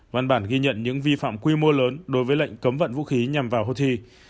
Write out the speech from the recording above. văn bản ghi nhận những vi phạm quy mô lớn đối với lệnh cấm vận vũ khí nhằm vào houthi